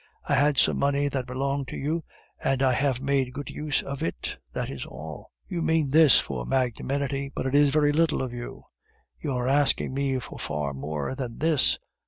I had some money that belonged to you, and I have made good use of it, that is all. You mean this for magnanimity, but it is very little of you. You are asking me for far more than this....